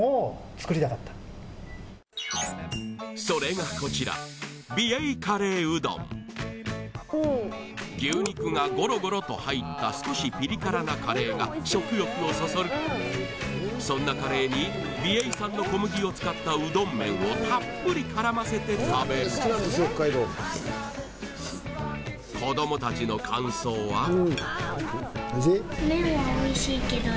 それがこちら美瑛カレーうどん牛肉がゴロゴロと入った少しピリ辛なカレーが食欲をそそるそんなカレーに美瑛産の小麦を使ったうどん麺をたっぷり絡ませて食べる子どもたちの感想は？